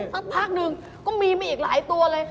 สักพักหนึ่งก็มีมาอีกหลายตัวเลย